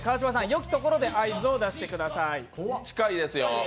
良きところで合図を出してください、近いですよ。